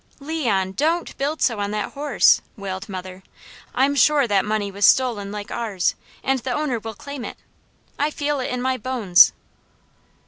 "Leon, DON'T build so on that horse," wailed mother. "I'm sure that money was stolen like ours, and the owner will claim it! I feel it in my bones!"